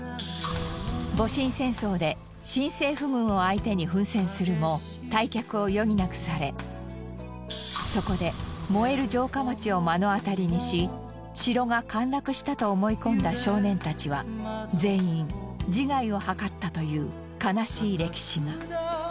戊辰戦争で新政府軍を相手に奮戦するも退却を余儀なくされそこで燃える城下町を目の当たりにし城が陥落したと思い込んだ少年たちは全員自害を図ったという悲しい歴史が。